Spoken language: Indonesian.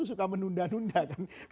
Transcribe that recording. suka menunda nunda kan